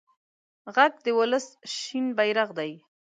غږ د ولس شنه بېرغ دی